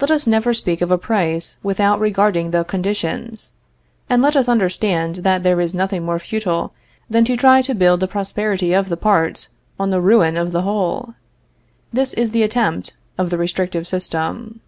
Let us never speak of a price without regarding the conditions, and let us understand that there is nothing more futile than to try to build the prosperity of the parts on the ruin of the whole. This is the attempt of the restrictive system.